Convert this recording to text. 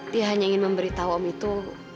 dia hanya ingin memberitahu om itu